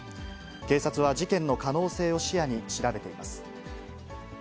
警察は事件の可能性を視野に調べています。